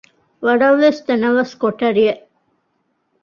ވަރަށްވެސް ތަނަވަސް ކޮޓަރިއެއް